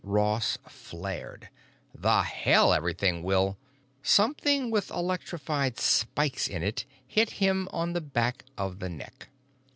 Ross flared, "The hell everything will——" Something with electrified spikes in it hit him on the back of the neck.